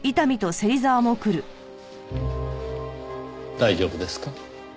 大丈夫ですか？